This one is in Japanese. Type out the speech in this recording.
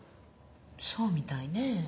そうみたいね。